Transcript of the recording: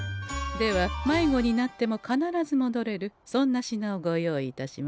では迷子になっても必ずもどれるそんな品をご用意いたしましょう。